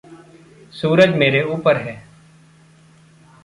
सूरज मेरे ऊपर है।